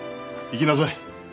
行きなさい。